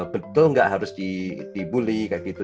betul nggak harus dibully kayak gitu